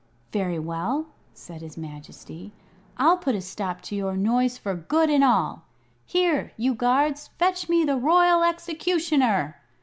"Very well," said his Majesty; "I'll put a stop to your noise for good and all! Here, you guards, fetch me the Royal Executioner!"